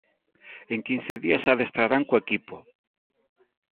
En quince días adestrarán co equipo.